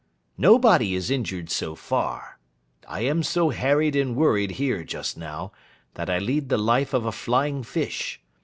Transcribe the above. Nobody is injured so far. I am so harried and worried here just now, that I lead the life of a flying fish.